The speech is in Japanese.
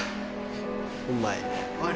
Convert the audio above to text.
うまいね。